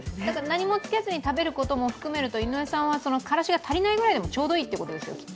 何もつけずに食べることも含めると、井上さんはからしが足りないくらいでもちょうどいいってことですよ。